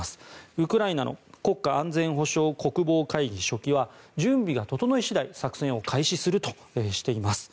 ウクライナの国家安全保障国防会議書記は準備が整い次第作戦を開始するとしています。